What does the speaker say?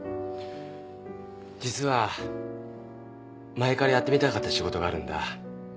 実は前からやってみたかった仕事があるんだ